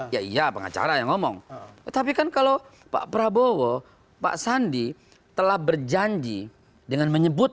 ya iya pengacara yang ngomong tapi kan kalau pak prabowo pak sandi telah berjanji dengan menyebut